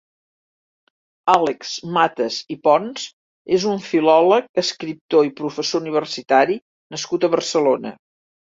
Àlex Matas i Pons és un filòleg, escriptor i professor universitari nascut a Barcelona.